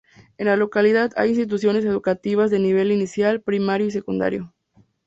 En la localidad hay instituciones educativas de nivel inicial, primario y secundario.